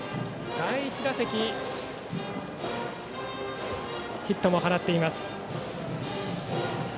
第１打席、ヒットも放っています。